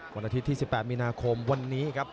วันอาทิตย์ที่๑๘มีนาคมวันนี้ครับ